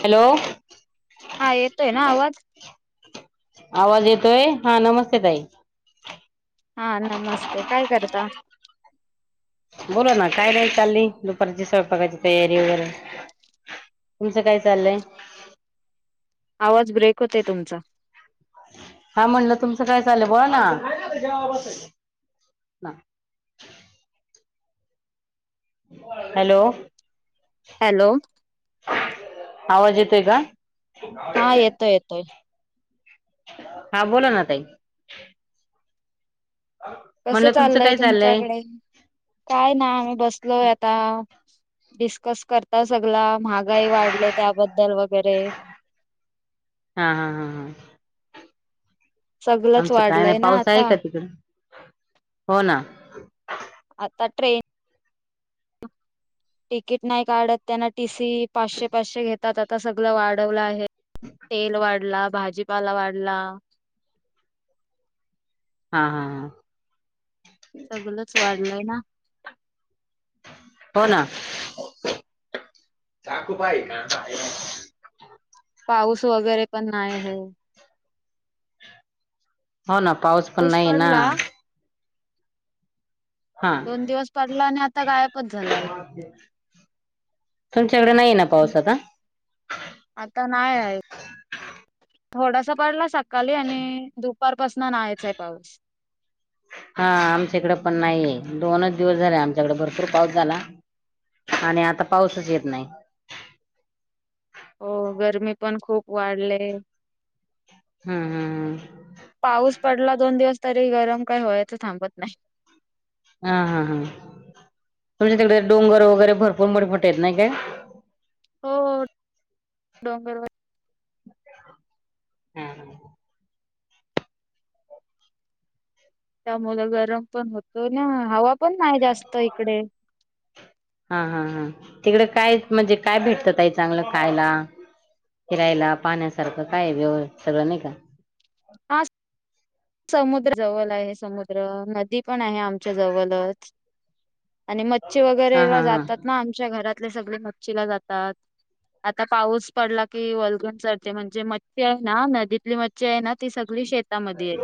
Hello हा येेतोय ना आवाज आवाज येतोय हा नमस्ते ताई हा नमस्ते काय करता बोला ना काय राही चालली दुपारची स्वयंपाकाची तयारी वगैरे तुमचं काय चाललंय आवाज ब्रेक होतय तुमचा हा म्हणलं तुमचं काय चालय बोला ना काय नाही आता जेवायला बसायचं. हॅलो हॅलो आवाज येतोय का हा येतोय येतोय हा बोला ना तई कस चाललंय तुमच्याकडे काय नाय आम्ही बसलो आता डिस्कस करता सगळ महागाई वाढले त्याबद्दल वगैरे हा हा हा हा सगळंच आमचं काय नाही वाढलंय ना पाऊस आहे आता का तिकड हो ना आता ट्रेन तिकीट नाही काढत त्यांना टीसी पाचशे पाचशे घेतात आता सगळ वाढवलं आहे तेल वाढला भाजीपाला वाढला [unintelligible] हा हा हा सगलच वाढलंय ना हो ना. चाकू पाहा आहे का पाऊस वगैरे पण नाही हे हो ना पाऊस पण नाही ना हा दोन दिवस पडला आणि आता गायबच झालाय तुमच्याकडे नाही ना पाऊस आता आता नाही आहे. थोडासा पडला सकाली आणि दुपारपसन नायचं ए पाऊस. हा आमच्याकडे पण नाहीये दोनच दिवस झाले आमच्याकडे भरपूर पाऊस झाला. आणि आता पाऊसच येत नाही. हो गरमी पण खूप वाढले. हम्म हम्म हम् पाऊस पडला दोन दिवस तरी गरम काय व्हायाच थांबत नाय. हा हा हा तुमच्या तिकडे डोंगर वगैरे भरपूर मोठे मोठे आहेत नाही काय. हो हो डोंगरवर. हम् ह त्यामुल गरम पण होतो ना हवा पण नाही जास्त इकडे. हा हा तिकडे काय म्हणजे काय भेटत ताई चांगलं खायला फिरायला पाहण्यासारखं काय व्यव सगळं नाही का. [unintelligible] समुद्र जवल आहे समुद्र नदी पण आहे आमच्या जवलच. आणि मच्छी हा वगैरेला हा हा जातात ना आमच्या घरातले सगळे मच्छीला जातात. आता पाऊस पडला की वलगण चढते म्हणजे मच्छी आहे ना नदीतली मच्छी आहे ना ती सगळी शेत ता मध्ये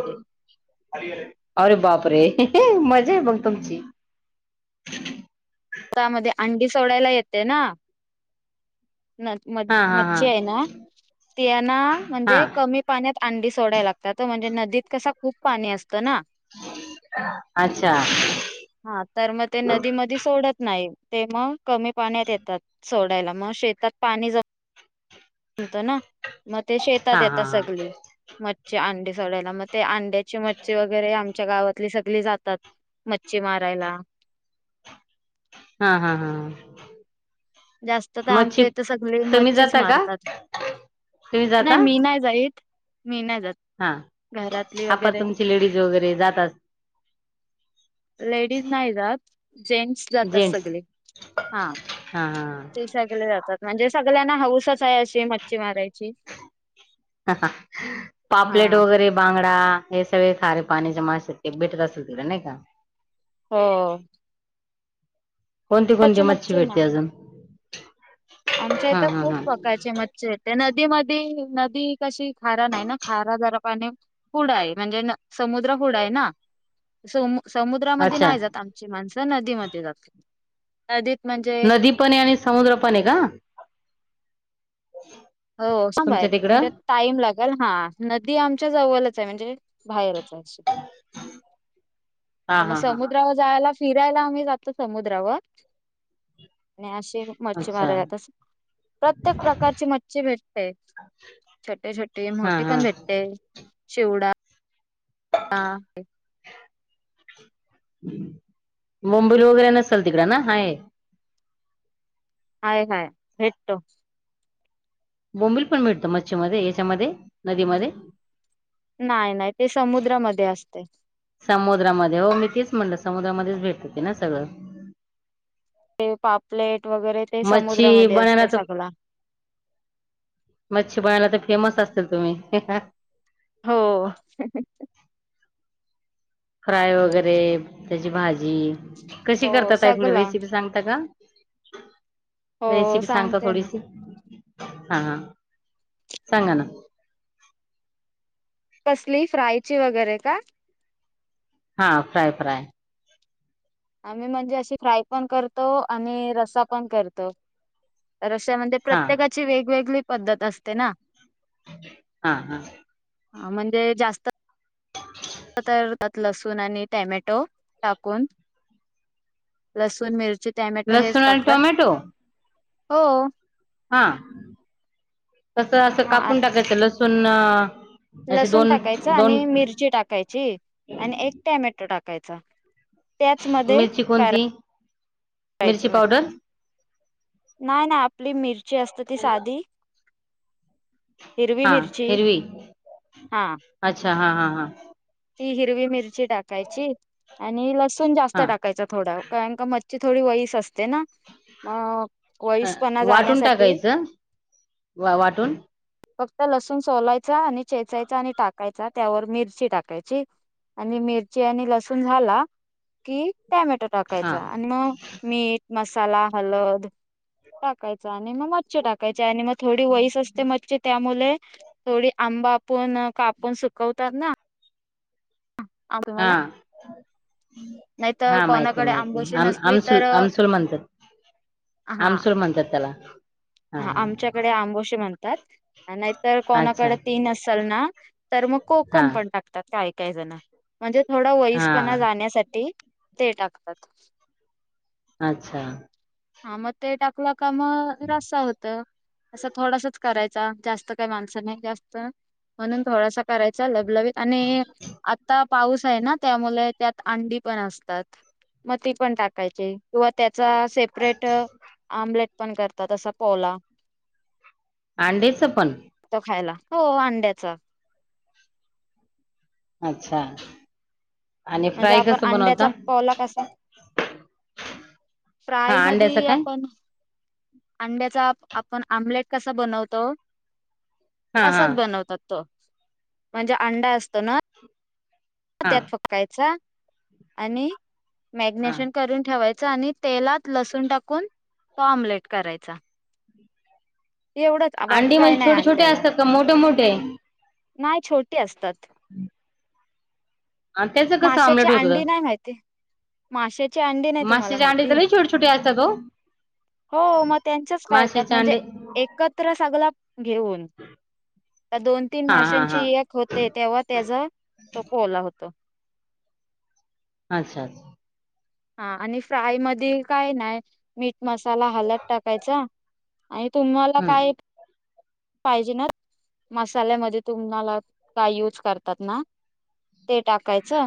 अरे बाप रे मजा आहे मग तुमची. त्यामध्ये अंडी सोडायला येते ना. मत हा हा हा मच्छी आहे ना त्यांना हा म्हणजे कमी पाण्यात अंडी सोडाय लागतात हो म्हणजे नदीत कसा खूप पाणी अस [unintelligible] हा हा तर मग ते नदी मध्ये सोडत नाही. ते मग कमी पाण्यात येतात सोडायला मग शेतात पाणी ज मतं ना मग ते शेतात हा येतात सगले मच्छी अंडी सोडायला मग ते अंड्याची मच्छी वगैरे आमच्या गावातली सगळी जातात. मच्छी मारायला. हा हम हा जास्त तर मच्छी आमच्या इथे सगळे तुम्ही मच्छीच जाता का? मारतात. तुम्ही जाता? नाही मी नाही जाईत मी नाही जात हा घरातली हा पण वगैरे तुमची लेडीज वगैरे जातात लेडीज नाही जात. जेंट्स जातात जेंट्स सगले हा हा हा ते सगले जातात. म्हणजे सगळ्यांना हौसच आहे अशी मच्छी मारायची. पापलेट हा वगैरे बांग डा हे सगळे खारे पाणी चे मासे ते भेटत असेल तिथं नाही का. हो कोणती कोणती स्वतःची मच्छी ना भेटते अजून. आमच्या हा इथ हा खूप हा प्रकारचे मच्छी येते नदीमध्ये नदी कशी खारा नाही ना खारा जरा पाणी पूड आहे म्हणजे न समुद्र पूडय ना समू समुद्रामध्ये अच्छा नाही जात आमची माणसं नदीमध्ये जात नदीत म्हणजे नदी पण आहे आणि समुद्र पण आहे का. हो चांगलय तुमच्या म्हणजे तिकडं टाइम लागल हा नदी आमच्या जवलच आहे म्हणजे बाहेरच [unintelligible] हा तर म हा हा हा समुद्रावर जायला फिरायला आम्ही जातो समुद्रावर आणि अश मच्छी अच्छा मार जातस प्रत्येक प्रकारची मच्छी. भेटते छोटे छोटी हा मोठी हा पण भेटते शिवडा हां बोंबील वगैरे नसेल तिकड ना हाय? हाय हाय भेटतो. बोंबील पण मिळतो मच्छी मध्ये याच्यामध्ये नदीमध्ये. नाही नाही ते समुद्रामध्ये असतय. समुद्रामध्ये हो मी तेच म्हणलं समुद्रामध्येच भेटत ते ना सगळं. ते पापलेट वगैरे ते मच्छी समुद्रामध्ये असत बनायला तर सगळा. मच्छी बनवायला तर फेमस असतील तुम्ही. हो. फ्राय वगैरे त्याची भाजी कशी हो करतात ताई सगला रेसिपी सांगता का? हो रेसिपी सांगता सांगते ना थोडीशी. हा हा सांगा ना. कसली फ्रायची वगैरे का? हा फ्राय फ्राय. आम्ही म्हणजे अशी फ्राय पण करतो. आणि रसा पण करतो. रश्यामध्ये हा प्रत्येकाची वेगवेगळी पद्धत असते ना. हा हा. हा म्हणजे जास्त तर. लसूण आणि टॅमॅटो टाकून लसूण मिरची टॅमॅटो हेच लसूण आणि टाकतात टोमॅटो हो. हा कस असं हा कापून टाकायचं लसूण अ. लसूण टाकायच आणि मिरची टाकायची आणि एक टॅमॅटो टाकाय त्याच मध्ये मिरची फ्राय कोणती करायचे मिरची मच्छी पावडर नाही नाही आपली मिरची असते ती साधी. हिरवी हा मिरची हिरवी हा अच्छा हा हा हा. ती हिरवी मिरची टाकायची आणि लसूण जास्त हा टाकायच थोडा कारण का मच्छी ची थोडी वईस असते ना म अ वाटून टाकायचं वा वाटून. फक्त लसूण सोलायचा आणि चेचायचा आणि टाकायचा त्यावर मिरची टाकायची आणि मिरची आणि लसूण झाला कि टॅमॅटो हा टाकायचा आणि मग मीठ मसाला हलद टाकायच आणि मग मच्छी टाकायचे आणि मग थोडी वईस असते मच्छी त्यामुले थोडी आंबा आपण कापून सुकवतात ना. हा. आम्हाला नाही तर हा माहिती आहे कोणाकडे माहिती आहे आंबोशी आ नसली आमसुल तर आमसुल म्हणतात. हा आमसूल म्हणतात त्याला. हा आमच्याकडे आंबोशी म्हणतात. नाहीतर हा अच्छा कोणाकडे तीन असेल ना तर मग हा कोकम पण टाकतात. काही जण म्हणजे थोडा वईसपणा हा जाण्यासाठी ते टाकतात. अच्छा. हा मग ते टाकलं का मग रस्सा होतं. असं थोडासाच करायचा जास्त काही माणसं नाही जास्त म्हणून थोडासा करायचा ल आणि आता पाऊस आहे ना त्यामुळे त्यात अंडी पण असतात म ती पण टाकायची. किंवा त्याचा सेपरेट आमलेट पण करतात असा पोला. अंडेच पण तो खायला हो अंड्याचा. अच्छा आणि म्हणजे फ्राय आपण कसं बनवता अंड्याचा पला कसा प्राय हा म अंड्याचं काय आपण अंड्याचा आपण आमलेट कसा बनवतो हा हा तसाच बनवतात तो म्हणजे अंडा असतो ना हा त्यात फकायचा आणि हा मॅग्नेशन करून ठेवायच आणि तेलात लसून टाकून तो ऑमलेट करायचा एवढंच बाकी अंडी काही म्हणजे नाही छोटे छोटे अंड्याला असतात का मोठे मोठे नाही छोटी असतात हम् माश्याची अंडी होतं नाही माहिती माशची अंडी नाही तुम्हाला मासेचे अंडे माहिती तर लई छोटे छोटे असतात हो हो मग त्यांचच करतात मासेचे म्हणजे अंडे एकत्र सगळ घेऊन त्या दोन तीन हा हा माशांची हा एक होते तेव्हा त्याचा तो कोला होत अच्छा अच्छा हा आणि फ्राय मध्ये काय ना मीठ मसाला हलत टाकायचा आणि तुम्हाला हम्म काय पाहिजे ना मसाल्यामध्ये तुम्हाला का यूज करतात ना ते टाकायचं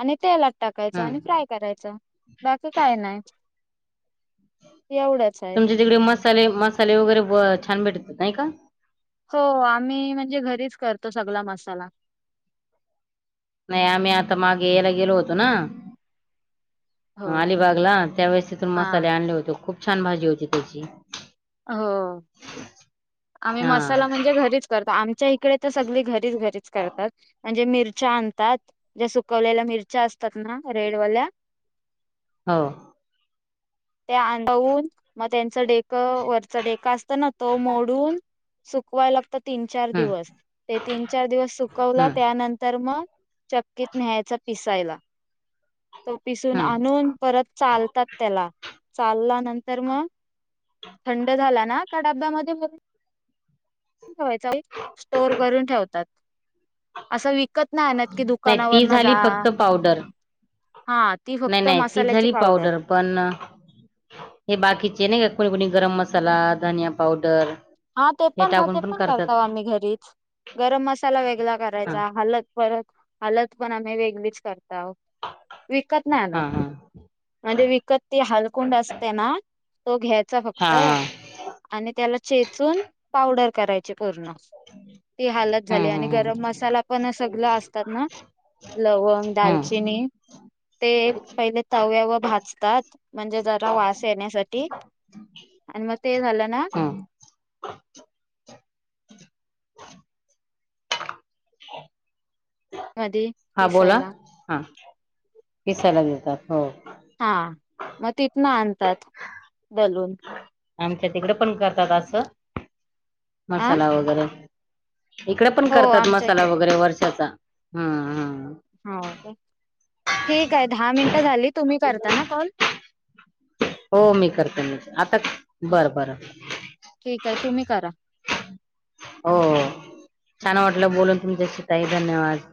आणि तेलात टाकायचं हम्म आणि फ्राय करायचं बाकी काय नाही एवढंच आहे तुमचे तिकडे मसाले मसाले वगैरे छान भेटतात नाही का हो आम्ही म्हणजे घरीच करतो सगळा मसाला नाही आम्ही आता मागे यायला गेलो होतो ना हो का अलिबागला त्यावेेळेस तिथून हा मसाले आणले होते खूप छान भाजी होती त्याची हो आम्ही हा मसाला म्हणजे घरीच करतो आमच्या इकडे तर सगळी घरीच घरीच करतात म्हणजे मिरच्या आणतात ज्या सुकवलेल्या मिरच्या असतात ना रेडवाल्या हो ते अंदवून मग त्यांच डेक वरचा डेका असत ना तो मोडून सुकवाय लागत तीन चार हम्म दिवस ते तीन चार दिवस सुकवला हम्म त्यानंतर मग चक्कीत न्यायचा पिसायला तो पिसून हम्म आणून परत चालतात त्याला चालला नंतर मग थंड झाला ना का डाब्यामध्ये म्हून ठेवा स्टोर करून ठेवतात अस नाही ती झाली फक्त पावडर हा ती नाही फक्त नाही ती मसाल्याची झाली पावडर पण हे बाकीचे नाही का कोणी कोणी गरम मसाला धनिया पावडर हा ते हे पण ते टाकून पण करताव करतात आम्ही घरीच गरम मसाला वेगळा हा करायचा हलत परत हलत पण आम्ही वेगळीच करत विकत नाही ना हा हा म्हणजे विकत ती हलकुंड असते ना तो घ्यायचा हा फक्त हा आणि त्याला चेचून पावडर करायचे पूर्ण ती हालत झाली हम्म आणि हम्म हम्म गरम मसाला पण सगळ असतात ना लवंग हम्म दालचिनी ते पहिले तव्या व भाजतात म्हणजे जरा वास येण्यासाठी आणि मग ते झालं ना अ [inaudible] मधी हा बोला पिसायला हा पिसायला देतात हो हा मग तिथन आणतात बलून आमच्या तिकडे पण करतात असं आ मसाला वगैरे इकडे पण हो करतात आमच्या मसाला इकडे वगैरे करतात वर्षाचा हम्म हम् हो ठीक आहे दहा मिनटं झाली तुम्ही करताना कॉल हो मी करते मी आता बर बरं ठीक आहे. तुम्ही करा. हो छान वाटलं बोलून तुमच्याशी ताई धन्यवाद